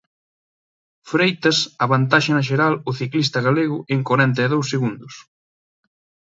Freitas avantaxa na xeral o ciclista galego en corenta e dous segundos.